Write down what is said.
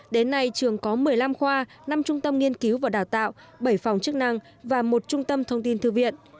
đến nay trường có một mươi năm khoa năm trung tâm nghiên cứu và đào tạo bảy phòng chức năng và một trung tâm thông tin thư viện